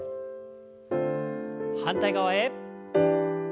反対側へ。